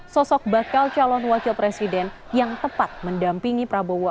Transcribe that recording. sosok bakal calon wakil presiden yang tepat mendampingi prabowo